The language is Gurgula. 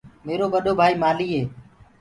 ميرو ٻڏو ڀآئيٚ مآلهيٚ هي۔